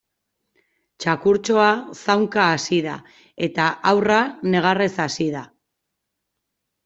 Txakurtxoa zaunka hasi da eta haurra negarrez hasi da.